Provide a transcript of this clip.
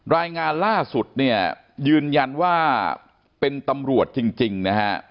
รายงานล่าสุดเนี่ยยืนยันว่าเป็นตำรวจจริงนะฮะ